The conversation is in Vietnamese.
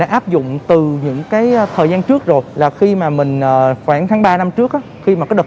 đã áp dụng từ những cái thời gian trước rồi là khi mà mình khoảng tháng ba năm trước khi mà có đợt